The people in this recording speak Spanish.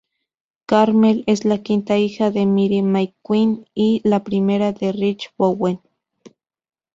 Carmel es la quinta hija de Myra McQueen y la primera de Ricky Bowen.